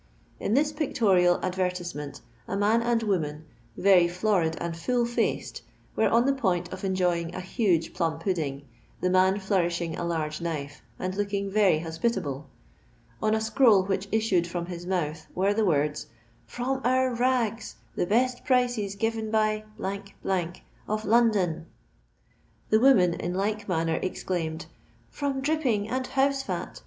In this pictorial advertisement a man snd woman, very florid and fnll fnccd, were on the point of enjoying n huge plum pudding, the nan flourishing a large knife, and looking very hospitable. On a scroll which issued from his mouth were the words :" From our nigs 1 The best prices given by , of London." The woman in like manner exclaimed :" From dripping and house fnt !